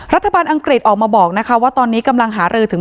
อังกฤษออกมาบอกนะคะว่าตอนนี้กำลังหารือถึง